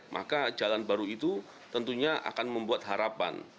maka jalan baru itu tentunya akan membuat harapan